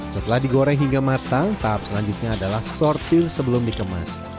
setelah digoreng hingga matang tahap selanjutnya adalah sortir sebelum dikemas